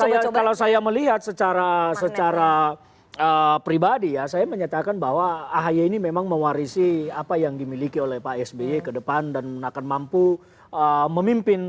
kalau saya melihat secara pribadi ya saya menyatakan bahwa ahy ini memang mewarisi apa yang dimiliki oleh pak sby ke depan dan akan mampu memimpin